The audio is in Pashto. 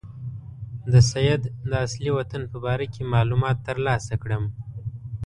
د سید د اصلي وطن په باره کې معلومات ترلاسه کړم.